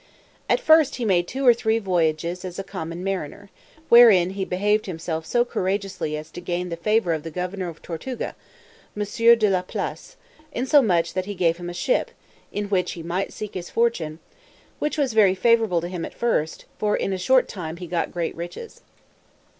At first he made two or three voyages as a common mariner, wherein he behaved himself so courageously as to gain the favour of the governor of Tortuga, Monsieur de la Place; insomuch that he gave him a ship, in which he might seek his fortune, which was very favourable to him at first; for in a short time he got great riches.